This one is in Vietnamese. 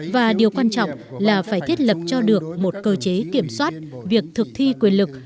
và điều quan trọng là phải thiết lập cho được một cơ chế kiểm soát việc thực thi quyền lực